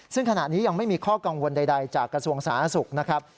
ซึ่งขณะนี้ยังไม่มีข้อกังวลใดจากกสงส้างสนุกนะครับ